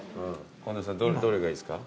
近藤さんどれがいいですか？